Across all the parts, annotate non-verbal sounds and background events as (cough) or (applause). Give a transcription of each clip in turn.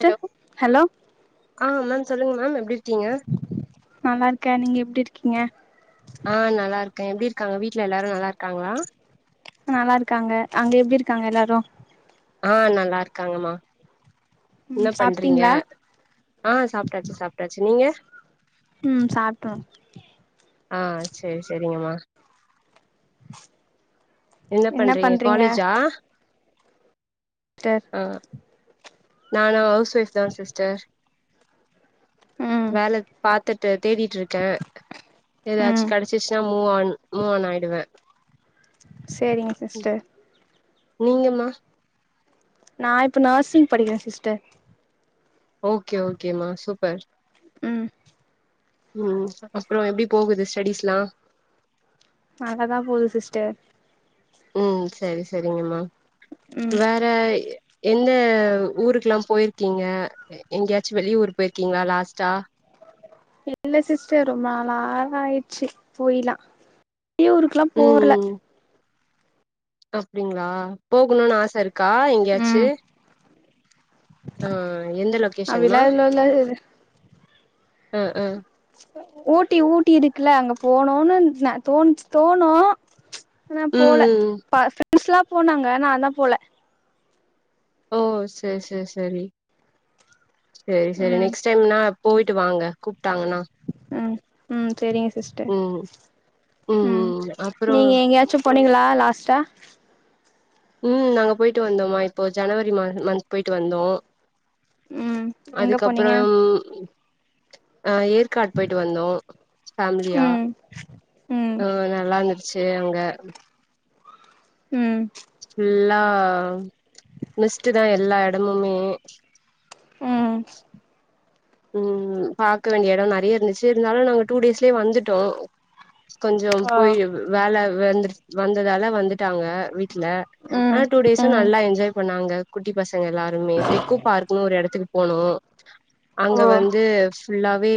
hello hello ஆ ma'am சொல்லுங்க ma'am எப்டி இருக்கீங்க நல்லாருக்க நீங்க எப்டி இருக்கீங்க ஆ நல்லாருக்க எப்டி இருக்காங்க வீட்ல எல்லாரு நல்லாருக்காங்களா நல்லாருக்காங்க அங்க எப்டி இருக்காங்க எல்லாரு ஆ நல்லாருக்காங்கமா ம் என்ன பண்றீங்க சாப்ட்டீங்களா ஆ சாப்டாச்சு சாப்டாச்சு நீங்க ம் சாப்டோ ஆ செரி செரிங்கமா என்ன பண்றீங்க காலேஜா டெர் ஆ நானு ஹவுஸ் வைஃப்தா சிஸ்டர் ம் வேல பாத்துட்டு தேடிட்டிருக்க எதாச்சி ம் கெடச்சிச்சுன்னா மூவ் ஆன் மூவ் ஆன் ஆயிடுவ சேரிங்க சிஸ்டர் நீங்க மா நா இப்ப நேர்சிங் படிக்கற சிஸ்டர் ஓகே ஓகே மா சூப்பர் ம் ம் அப்றொ எப்டி போகுது ஸ்டடீஸ்லா நலாதா போது சிஸ்டர் ம் சரி சரிங்கம்மா ம் வே ற என்ன ஊருக்குலா போயிருக்கீங்க எங்கயாச்சு வெளியூர் போயிருக்கீங்ளா லாஸ்ட்டா இல்ல சிஸ்டர் ரொம்ப நாளா ஆயிருச்சு போய்லா வெளியூருக்லா போர்ல அப்டிங்ளா போகணுனு ஆசருக்கா ம் எங்யாச்சு ஆ எந்த லொகேஷன்மா அப்டிலா எதுவு இல்ல அ அ ஓட்டி ஊட்டிருக்குல அங்க போனுனு தோன்ச்சு தோணு ஆனா ம் போல ம் ப ஃப்ரெண்ட்ஸ்லா போனாங்க நாதா போல ஓ செரி செரி செரி செரி செரி ம் நெக்ஸ்ட் டைம்னா போயிட்டு வாங்க கூப்ட்டாங்னா ம் ம் செரிங்க சிஸ்டர் ம் ம் நீங்க எங்யாச்சும் போனிங்ளா லாஸ்ட்டா ம் நாங்க போயிட்டு வந்தோம்மா இப்போ ஜனவரி மா மந்த் போயிட்டு வந்தோ ம் எங்க போனீங்க அதுக்கப்றம் அ ஏற்காடு போயிட்டு வந்தோ ஃபேமிலியா ம் ம் நல்லாருன்துச்சு அங்க ம் ஃபுல்லா மிஸ்ட் தா எல்லா எடமுமே ம் ம் பாக்க வேண்டிய எடொ நறையருந்துச்சு இருந்தாலும் நாங்க டூ டேஸ்லயே வந்துட்டோ கொஞ்சம் ஓ போய் வேல வந்து வந்ததால வந்துட்டாங்க வீட்ல ம் அனா டூ டேஸும் ம் நல்லா என்ஜாய் பண்ணாங்க குட்டி பசங்க எல்லாருமே பெக்கு பார்க்னு ஒரு எடத்துக்கு போனோம் ஓ அங்க வந்து ஃபுல்லாவே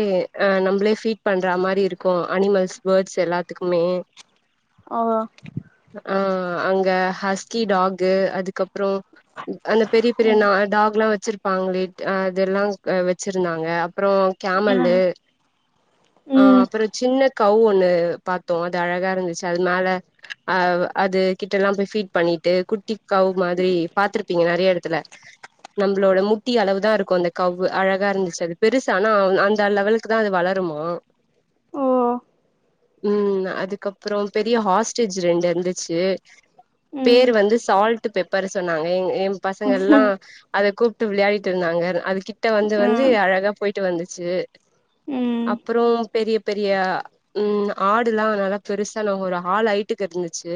அ நம்ளே ஃபீட் பண்ற மாரி இருக்கு அனிமல்ஸ் பர்ட்ஸ் எல்லாத்க்குமே ஆமா ஆ அங்க ஹஸ்கி டாகு அதுக்கப் றோம் அந்த பெரிய பெரிய ம் நா டாக்லாம் வச்சிருப்பாங்ளே அதெல்லாம் வச்சுருந்தாங்க அப்றொ ம் கேமலு அ ம் அப்ற சின்ன கவ் ஒண்ணு பாத்தோ அது அழகாருந்துச்சு அதுனால அ அது கிட்டல்லாம் போய் ஃபீட் பண்ணிட் ட்டு குட்டிக்கவ் மாரி பாத்துருப்பீங்க நறைய எடத்துல நம்ளோட முட்டி அளவுதா இருக்கும் அந்த கவ்வு அள தா இருந்துச்சு அது பெருசானா அந்த லெவலுக்கு தா அது வளருமா ஓ ம் அதுக்கப்றொ பெரிய ஹாஸ்டேஜ் ரெண்டு இருந்துச்சு ம் பேரு வந்து சால்ட் பெப்பரு சொன்னாங்க எ எ பசங்கல்லாம் ம் அத கூப்ட்டு விளாயாடிட்டுருந்தாங்க அது கிட்ட வந்து வந்து அழகா போயிட்டு வந்துச்சு ம் அப்றொ பெரிய பெரிய ம் ஆடுலாம் நல்ல பெருசான ஒரு ஹால் அயிட்டுக்கு இருந்துச்சு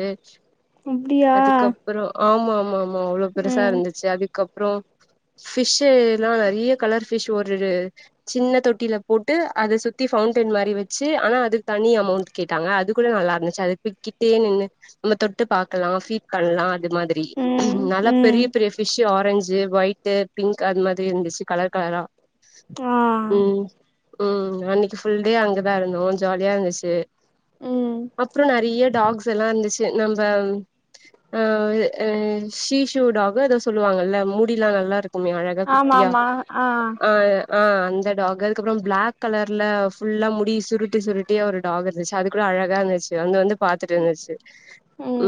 அப்டியா அதுக்கப் அப்றொ ஆமா ஆமா ஆமா அவ்ளொ ம் பெருசாருந்துச்சு அதுக்கப்றம் பிஷ்ஷீலாம் நறிய கலர் ஃபிஷ் ஒரு சின்ன தொட்டில போட்டு அத சுத்தி ஃபவுண்டன் மாரி வச்சு அனா அதுக் தனி அமௌண்ட் கேட்டாங்க அது கூட நல்லாருன்ச்சு அது கிட்டே நின்னு நம்ம தொட்டு பாக்கலாம் ஃபீட் கலாம் அது மாதிரி ம் நல்லா ம் பெரிய பெரிய பிஷ்ஷீ ஆரஞ்சு ஒயிட்டு பிங்க் அது மாத்ரி இருந்துச்சு கலர் கலரா ஆ ம் ம் அன்னக்கி ஃபுல்டே அங்கதா இருந்தோ ஜாலியா இருந்துச்சு ம் அப்றொம் நறைய டாக்ஸலாம் இருந்துச்சு நம்ம ஆ சீஷு டாகோ எதோ சொல்வாங்கல முடில்லா நல்லாருக்கு ஆமா ஆமா ஆ ஆ ஆ அந்த டாக் அதுக்கப்புறம் பிளாக் கலர்ல ஃபுல்லா முடி சுருட்டி சுருட் குட்டியா ஒரு டாக் இருந்துச்சி அது கூட அழகா இருந்துச்சி வந்த வந்து பாத்துட்டு இருந்துச்சி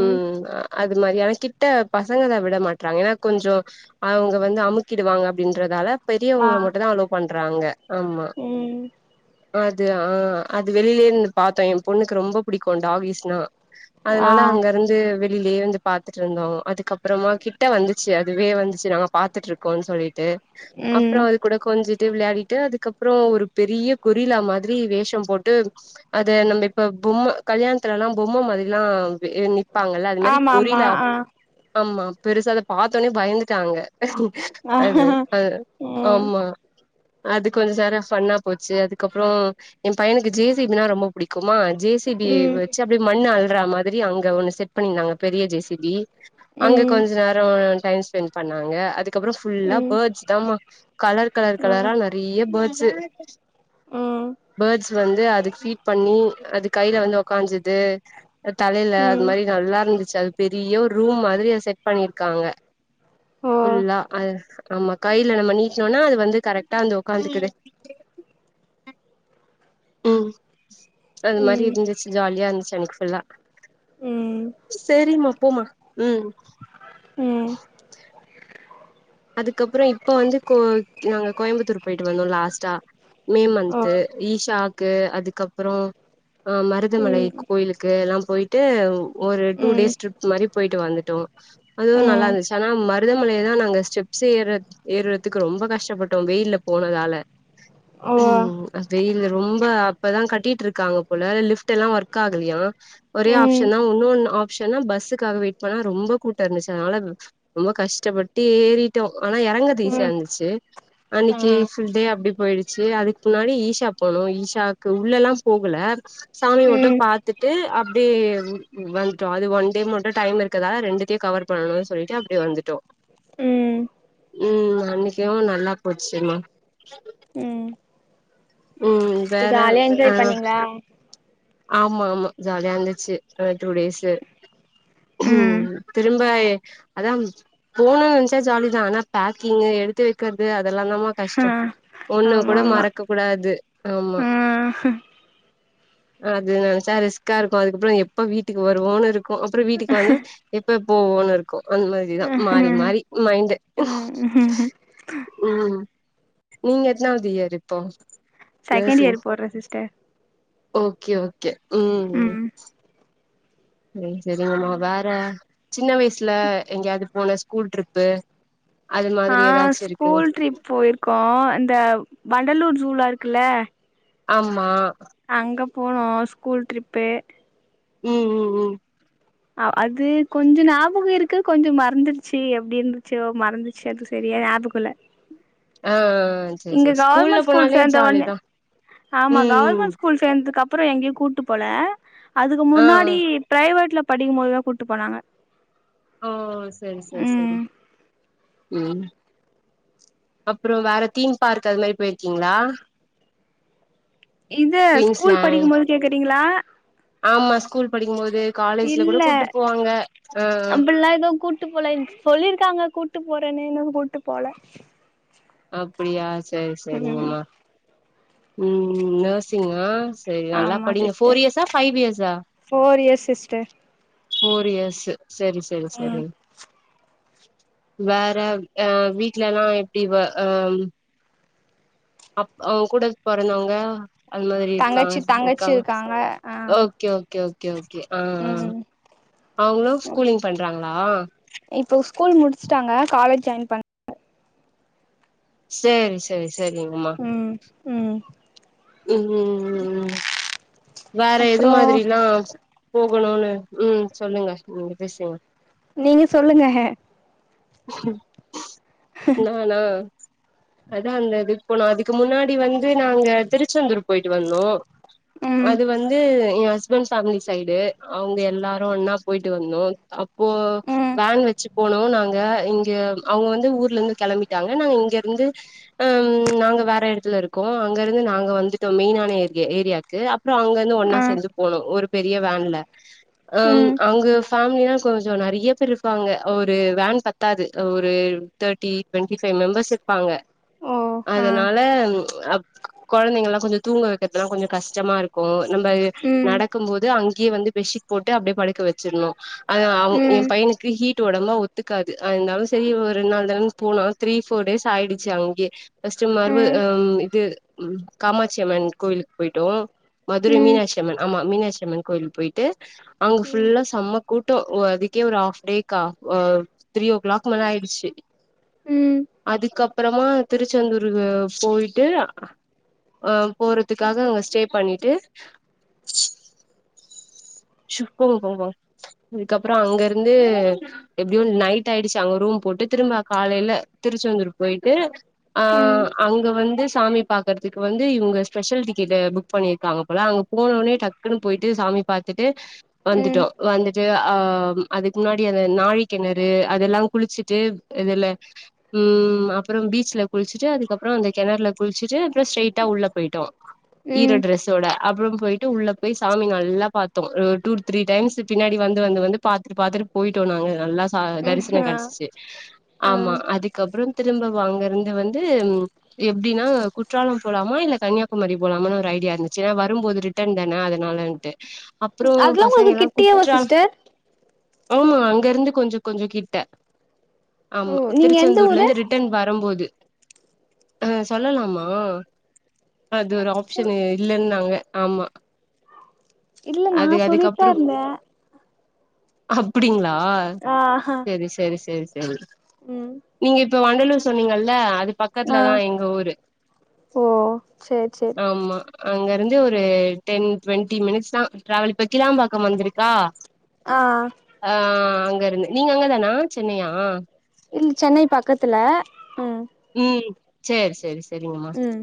ம் அது மாரி ஆனா கிட்ட பசங்க அத விட மாட்றாங்க ஏன்னா கொஞ்சோ அவுங்க வந்து அமுக்கிடுவாங்க அப்டின்றதால ஆ பெரியவங்கள மட்டுந் தா அலோ பண்றாங்க ஆம்மா ம் அது ஆ அது வெளிலேயே நின்னு பாத்தோ என் பொண்ணுக்கு ரொம்ப புடிக்கு டாகிஸ்னா ஆ அதனால அங்கருந்து வெ ளிலே இருந்தே பாத்துட்டு இருந்தோ அதுக்கு அப்புறமா கிட்ட வந்துச்சி அதுவே வந்துச்சி நாங்க பாத்துட்டு இருக்கோன்னு சொல்லிட்டு ம் அப்றோ அது கூட கொஞ்சிட்டு விளையாடிட்டு அதுக்கப்றோ ஒரு பெரிய கொரில்ல மாதிரி வேஷம் போட்டு அது நம்ம இப்ப பொம்ம கல்யாணத்துலல்லா பொம்ம மாதிரிலா நிப் பாங்க இல்ல அது மாரி ஆமா ஆமா கொரில்லா ஆ ஆமா பெருசா அத பாத்தோன்னே பயந்துட்டாங்க ஆ அது ஆ ம் ஆமா அது கொஞ்ச நேரம் ஃப்ன்னா போச்சி அதுக்கப்றோ ஏ பையனுக்கு ஜே சி பி னா ரொம்ப புடிக்குமா ஜே சி பி ம் வெச்சி அப்டியே மண்ணு அள்ற மாதிரி அங்க ஒன்னு செட் பண்ணியிருந்தாங்க பெரிய ஜே சி பி அங்க ம் கொஞ்ச நேரோ டைம் ஸ்பெண்ட் பண்ணாங்க அதுக்கப்புறோ ஃபுல்லா ம் பேர்ட்ஸ் தாம்மா கலர் கலர் ஆ கலரா நெறைய பேர்ட்ஸ்ஸு ம் பேர்ட்ஸ் வந்து அதுக்கு ஃபீட் பண்ணி அது கையில வந்து வொக்காஞ்சது தலையில அது ம் மாரி நல்லா இருந்துச்சி அது பெரிய ஒரு ரூம் மாதிரி அத செட் பண்ணிருக்காங்க ஓ ஃபுல்லா ஆ ஆமா கையில நம்ம நீட்னோனா அது வந்து கரெக்டா வந்து உக்காந்துக்குது ம் அது மாரி ம் இருந்துச்சி ஜாலியா இருந்துச்சி அன்னைக்கு ஃபுல்லா ம் ம் ம் அதுக்கப்புறோ இப்போ வந்து கோ நாங்க கோயம்புத்தூர் போயிட்டு வந்தோ லாஸ்ட்டா மே ஓ மந்த்து ஈஷாக்கு அதுக்கப்பறோ ஆ மருதமலை ம் கோ கோயிலுக்கு எல்லா போயிட்டு ஒரு டூ ம் டேஸ் ட்ரிப் மாரி போயிட்டு வந்துட்டோ அதுவு நல்லா ம் இருந்துச்சி ஆனா மருதமலைய தா நாங்க ஸ்டெப்ஸ் ஏற ஏறதுக்கு ரொம்ப கஷ்டப்பட்டோம் வெயில்ல போனதால ஓ ம் ஆ வெயில்ல ரொம்ப அப் இப்பதா கட்டிட்டுருக்காங்க போல லிப்ட் எல்லா ஒர்க் ஆகலையா ஒரே ம் ஆப்ஷன்னா உன்னோன்னு ஆப் ஷன்னா பஸ்ஸுக்காக வெயிட் பண்ணா ரொம்ப கூட்டோ இருந்துச்சி அதனால ரொம்ப கஷ்டப்பட்டு ஏறி ட்டோ ஆனா இறங்கறது ஈஸியா ம் இருந்துச்சி ஆ அன்னைக்கு ஃபுல் டே அப்டி போயிடுச்சி அதுக்கு முன்னாடி ஈஷா போனோம் ஈஷாக்கு உள்ளல்லா போகல சாமிய மட்டு ம் பாத்துட்டு அப்டியே வந்துட்டோ அது ஒன் டே மட்டு டைம் இருக்கறதால ரெண்டுத்தையு கவர் பண்ணணுன்னு சொல்லிட்டு அப்டியே வந்துட்டோ ம் ம் அன்னைக்கு நல்லா போச்சிமா ம் ம் வேற ஜாலியா ஆ என்ஜாய் பண்ணீங்களா ஆமா ஆமா ஜாலியா இருந்துச்சி அ டூ டேஸ்ஸு ம் திரும்ப அதான் போகணுனு நெனைச்சா ஜாலிதா ஆனா பேக்கிங்கு எடுத்து வெக்கறது அதெல்லாந்தாம்மா ஆ கஷ்டம் ஒண்ணு ஆமா கூட ஆமா மறக்க கூடாது ஆமா ஆ அது நெனச்சா ரிஸ்க இருக்கு அதுக்கப்றோ எப்ப வீட்டுக்கு வருவோன்னு இருக்கு அப்றோ வீட்டுக்கு வந்தா எப்ப போவோன்னு இருக்கு அந்த மாரிதா மாறி மாறி மைண்ட்டு ம் ம் நீங்க எத்தனாவுது இயர் இப்போ செகண்ட் நர்சிங் இயர் போறே சிஸ்டர் ஓகே ஓகே ம் சேரி செரிங்கம்மா வேற சின்ன வயசுல எங்கேயாவ்து போன ஸ்கூல் ட்ரிப்பு அது ஆ மாதிரி ஏதாச்சு இருக்கு ஸ்கூல் ட்ரிப் போயிருக்கோ இந்த வண்டலூர் ஜூலா இருக்குல்ல ஆமா அங்க போனோ ஸ்கூல் ட்ரிப்பு ம் ம் ம் அ அது கொஞ்ச ஞாபக இருக்கு கொஞ்சோ மறந்திருச்சு எப்டி இருந்துச்சோ மறந்து செது செரியா ஞாபகோ இல்ல ஆ ஆ இங்க கவர்மெண்ட் ஸ்கூல் சேந்த உட்னே ஆமா ம் ம் கவர்மெண்ட் ஸ்கூல்ஸ் சேந்துக்கப்றோ எங்கியு கூட்டு போல அதுக்கு ஆ முன்னாடி ஆ பிரைவெட்ல படிக்கும் போது தா கூட்டு போனாங்க ஓ செரி செரி செரி ம் ம் அப்றோ வேற தீம் பார்க் அது மாரி போயிருக்கீங்ளா இது ஸ்கூல் குயின்ஸ்லேண்ட் படிக்கும்போது கேக்குறீங்ளா ஆமா ஸ்கூல் படிக்கும்போது காலேஜ்ல கூட இல்ல கூட்டு போவாங்க ஆ அப்படில்லா எது கூட்டு போல சொல்லிருக்காங்க கூட்டு போறேன்னு இன்னு கூட்டு போல அப்டியா செரி ம் சேரிங்கம்மா ம் நர்ஸிங்கா செரி நல்லா ஆமா படிங்க சிஸ்டர் ஃபோர் இயர்ஸா ஃபைவ் இயர்ஸா four years sister four years செரி செரி ம் செரி வேற ஆ வீட்ல எல்லா எப்டி வே அம் அப் உங்க கூட பொறந்தவங்க அது மாரி இருக்காங்க தங்கச்சி சி தங்கச்சி இருக்காங்க ஆ ஓகே ஓகே ஓகே ஓகே ம் அவுங்ளு ஸ்கூலிங் பண்றாங்ளா இப்போ ஸ்கூல் முடிச்சுட்டாங்க காலேஜ் ஜாயின் பண் சேரி சேரி செரிங்ம்மா ம் ம் ம் வேற எது அப்றோ மாதிரில்லா போகணுனு ம் சொல்லுங்க நீங்க பேசுங்க நீங்க சொல்லுங்க ஹே நானா அத அந்த இதுக் போனோ அதுக்கு முன்னாடி வந்து நாங்க திருச்செந்தூர் போயிட்டு வந்தோ ம் அது வந்து எ ஹஸ்பண்ட் ஃபேமிலி சைடு அவுங்க எல்லாரு ஒன்னா போயிட்டு வந்தோ அப்போ ம் வேன் வெச்சு போனோ நாங்க இங்க அவுங்க வந்து ஊர்ல இருந்து கெளம்பிட்டாங்க நாங்க இங்கருந்து ம் நாங்க வேற எடத்துல இருக்கோ அங்க இருந்து நாங்க வந்துட்டோ மெயினான ஏரிய ஏரியா க்கு அப்புற அங்க இருந்து ஒன்னா ஆ சேந்து போனு ஒரு பெரிய வேன்ல ம் அங்க ஃபேமிலில கொஞ்சோ நெறைய பேர் இருப்பாங்க ஒரு வேன் பத் த்தாது ஒரு தேர்ட்டி டுவன்ட்டி ஃபைவ் மெம்பர்ஸ் இருப்பாங்க ஓ ஆ அதனால கொழந்தைங்களா கொஞ்ச தூங்க வக்கறதுல்லா கொஞ்ச ஷ்டமா இருக்கும் நம்ப ம் நடக்கும் போது அங்கேயே வந்து பெட்ஷிட் போட்டு அப்டியே படுக்க வச்சிருணு அது அவு என் ம் பை க்கு ஹீட் ஒடம்பா ஒத்துக்காது அதனால சேரி ஒரு ரெண்டு நாள் தானே போனா த்ரீ ஃபோர் டேஸ் ஆயிடுச்சு அங்கேயே ஃபஸ்ட்டு மறுப அ ம் இது காமாட்சி அம்மன் கோயில் போயிட்டோ மதுரை ம் ம் மீனாட்சி அம்மன் ஆமா மீனாட்சி அம்மன் கோயில்க்கு போயிட்டு அங்க ம் ஃபுல்லா செம்ம கூட்டம் ஒ அதுக்கே ஒரு ஹாஃப் டே கா ஒ த்ரீ ஓ கிளாக் மேல ஆயிருச்சு ம் அதுக்கப்பறமா திருச்செந்தூரு போயிட்டு அ போறதுக்காக அங்க ஸ்டே பண்ணிட்டு (unintelligible) அதுக்கப்புற அங்க இருந்து எப்டியும் நைட் ஆயிடுச்சு அங்க ரூம் போட்டு திரும்ப காலையில திருச்செந்தூர் போயிட்டு ஆ அங்க வந்து சாமி பாக்குறதுக்கு வந்து இவுங்க ஸ்பெஷல் டிக்கெட்டு புக் பண்ணியிருக்காங்க போல அங்க போன ஒடனே டக்குன்னு போயிட்டு சாமி பாத்துட்டு ம் வந்துட்டோ வந்துட்டு ஆ அதுக்கு முன்னாடி அந்த நாழி கிணறு அதெல்லா குளிச்சுட்டு இதுல ம் அப்புறம் பீச்ல குளிச்சுட்டு அதுக்கப்புற அந்த கிணறு ல குளிச்சுட்டு அப்புற ஸ்ட்ரைட் ஆ உள்ள போயிட்டோ ஈர ம் ம் டிரஸ் தோட அப்றம் போயிட்டு உள்ள போய் சாமி நல்லா பாத்து தோ ஒரு டூ த்ரீ டைம்ஸ் பின்னாடி வந்து வந்து வந்து பாத்துட்டு பாத்துட்டு போயிட்டோ நாங்க நல்லா சா தரிசன ஆ கெடசுச்சு ஆமா ஆ அதுக்கப்புற திரும்ப அங்கிருந்து வந்து எப்டின்னா குற்றாலம் போலாமா இல்ல கன்னியாகுமரி போலாமனு ஒரு ஐடியா இருந்துச்சு ஏனா வரும் போது ரி ட்டன் தானே அதனாலட்டு அப்புறோ அதெல்லா பசங்க உங்களுக்கு எல்லா கிட்டியேவா குற்றால் சிஸ்டர் ஆமா அங்க இருந்து கொஞ்சோ கொஞ்ச கிட்ட ஆமா ஓ நீங்க எந்த திருச்செந்தூர்ல ஊரு இருந்து ரிட் டன் வரும்போது ஆ சொல்லலாமா அது ஒரு ஆப்ஷன் இல்லன்னு நாங்க ஆமா இல்ல நா அது சொல்லிட்டுதா அதுக்கப்புற இருந்தே அப்படிங்களா ஆஹா சேரி சேரி சேரி சேரி ம் நீங்க இப்ப வண்டலூர் சொன்னீங்கல்ல அது ஆ பக்கத்துலதா எங்க ஊரு ஓ சேரி சேர் ஆமா அங்க இருந்து ஒரு டென் டுவெண்ட்டி மினிட்ஸ் தா டிரவல் இப்ப கிளாம்பாக்கம் வந்திருக்கா ஆ ஆ அங்க இருந்து நீங்க அங்க தானா சென்னையா இல் சென்னை பக்கத்துல ம் ம் சேரி சேரி சேரிங்கம்மா ம்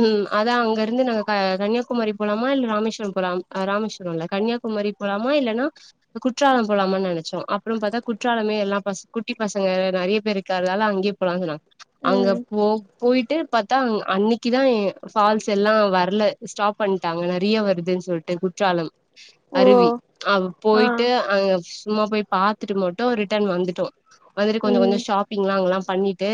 ம் அதா அங்க இருந்து நாங்க க கன்னியாகுமரி போலாமா இல்ல ராமேஸ்வரம் போலாம் ராமேஸ்வரம் இல்ல கன்னியாகுமரி போலாமா இல்லன்னா குற்றாலம் போலாமானு நெனச்சோ அப்புறம் பார்த்தா குற்றாலமே எல்லா பச குட்டி பசங்க நிறைய பேர் இருக்கர்தால அங்கே போலான் அங்க ம் போ போயிட்டு பத்தா அன்னைக்குதா எ ஃபால்ஸ் எல்லா வரல ஸ்டாப் பண்ணிட்டாங்க நெறைய வருதுன்னு சொல் குற்றாலம் ஓ அருவி அவ ஆ போயிட்டு அங்க சும்மா போய் பாத்துட்டு மட்டும் ரிட்டன் வந்துட்டோ வந்துட்டு கொஞ்ச ம் கொஞ்சோ ஷாப்பிங்ல்லா அங்கெல்லா பண்ணிட்டு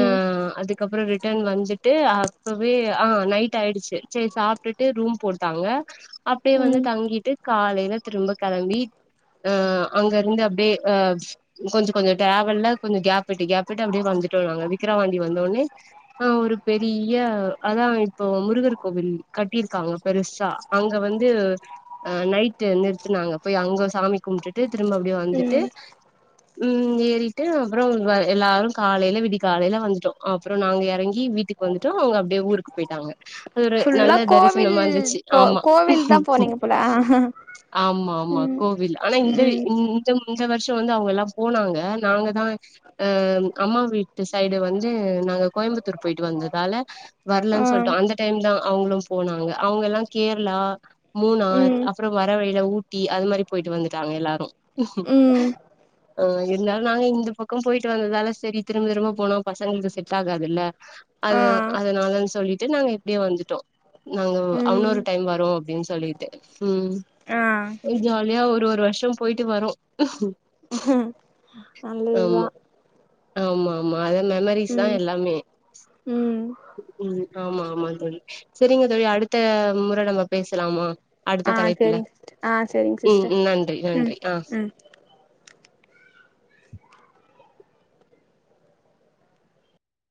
ஆ அதுக்கப்பறோ ரிட்டன் வந்துட்டு ட்டு அப்பவே ஆ நைட் ஆயிடுச்சு சரி சாப்ட்டுட்டு ரூம் போட்டாங்க அப்டியே வந்து ம் தங்கிட்டு காலைல திரும்ப கெளம்பி ஆ அங்கருந்து அப்டியே ஆ கொஞ்ச கொஞ்சோ ட்ராவெல்ல கொஞ்ச கேப்பிட்டு கேப்விட்டு அப்டியே வந்துட்டோ நாங்க விக்கிரவாண்டி வந்தோனே ஆ ஒரு பெரிய அதா இப்போ முருகர் கோவில் கட்டிருக்காங்க பெருசா அங்க வந்து நைட்டு நிறுத்துனாங்க போய் அங்க சாமி கும்பிட்டுட்டு திரும்ப அப்டியே வந்துட்டு ம் ம் ஏறிட்டு அப்பறோ எல்லாரும் கால ல்ல விடி காலைல்ல வந்துட்டோ அப்றோ நாங்க எறங்கி வீட்டுக்கு வந்துட்டோ அவங்க அப்படியே ஊருக்கு போயிட்டாங்க அது ஒரு ஃபுல்லா நல்ல கோவில் தரிசனமா இருந்துச்சு போ ஆமா கோவில் தா போனீங்க போல ஆ ஆமா ஆமா ம் கோவில் ஆனா இந்த ம் இ இந்த வருஷோ வந்து அவங்க எல்லா போனாங்க நாங்க தா ஆ அம்மா வீட்டு சைடு வந்து நாங்க கோயம்புத்தூர் போயிட்டு வந்ததால ஆ வர்லன் சொல்ட்டோ அந்த டைம் தா அவங்களும் போனாங்க அவங்க எல்லா கேர்ளா மூனார் ம் அப்றோ வர வழில ஊட் ட்டி அது மாரி போயிட்டு வந்துட்டாங்க எல்லாரும் ம் ஆ இருந்தாலும் நாங்க இந்த பக்கோ போயிட்டு வந்ததால செரி திரும்ப திரும்ப போனா பசங்களுக்கு செட் ஆகாதுல்ல அத ஆ அதனாலன் சொல்லிட்டு நாங்க இப்டியே வந்துட்டோ நாங்க ம் அவன்னொரு டைம் வரோம் அப்டின் சொல்லிட்டு ஆ ம் ஜா லியா ஒரு ஒரு வருஷோ போயிட்டு வரோ நல்லதுதா ஆமா ஆமா ஆமா அத மெமரீஸ் தா ம் எல்லாமே ம் ம் ஆமா ஆமா தோழி சரிங்க தோழி அடுத்த முற நம்ம பேசலாமா ஆ அடுத்த தலைப்புல சேரிங் சிஸ்டர் ஆ சேரிங் ம் சிஸ்டர் நன்றி ம் நன்றி ஆ ம்